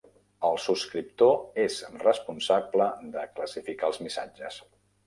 El subscriptor és responsable de classificar els missatges.